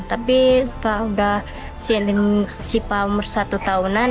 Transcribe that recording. tapi setelah udah cnn sipa umur satu tahunan